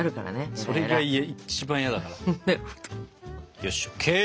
よしＯＫ！